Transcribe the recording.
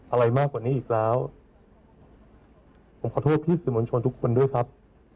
อะไรมากกว่านี้อีกแล้วผมขอโทษพี่สื่อมวลชนทุกคนด้วยครับ